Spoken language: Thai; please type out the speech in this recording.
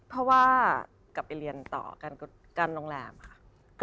เพราะว่ากลับไปเรียนต่อกันโรงแรมค่ะ